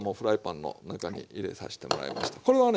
これはね